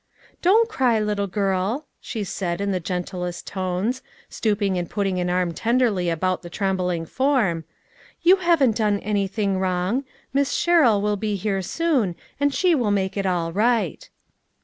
" Don't cry, little girl," she said in the gen tlest tones, stooping and putting an arm ten derly around the trembling form ;" you haven't done anything wrong ; Miss Sherrill will be here soon, and she will make it all right."